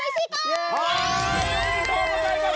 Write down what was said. イエイ！おめでとうございます！